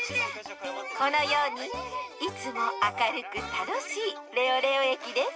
このようにいつもあかるくたのしいレオレオえきです